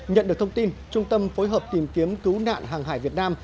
nhận được thông tin trung tâm phối hợp tìm kiếm cứu nạn hàng hải việt nam